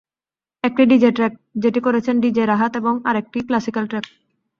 একটি DJ track, যেটি করেছেন ডিজে রাহাত এবং আরেকটি ক্লাসিক্যাল ট্র্যাক।